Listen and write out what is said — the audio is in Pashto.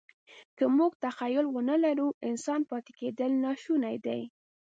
که موږ تخیل ونهلرو، انسان پاتې کېدل ناشوني دي.